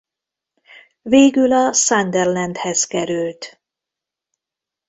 Végül a Sunderlandhez került.